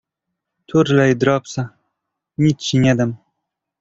Turlaj dropsa, nic ci nie dam.